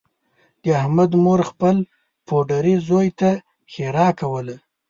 د احمد مور خپل پوډري زوی ته ښېرا کوله